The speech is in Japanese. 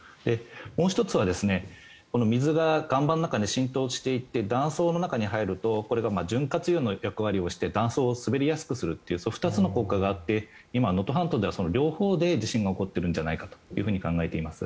もう１つは、水が岩盤の中に浸透していって断層の中に入るとこれが潤滑油の役割をして断層を滑りやすくするという２つの効果があって今、能登半島ではその両方で地震が起こっているのではないかと考えています。